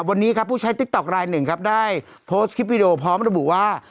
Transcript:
วันนี้ครับผู้ใช้ติ๊กต๊อกลายหนึ่งครับได้โพสต์คลิปวิดีโอพร้อมระบุว่า